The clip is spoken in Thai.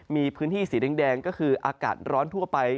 มีพื้นที่สีแดงก็คืออากาศร้อนทั่วไป